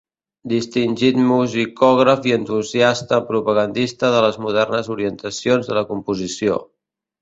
Distingit musicògraf i entusiasta propagandista de les modernes orientacions de la composició.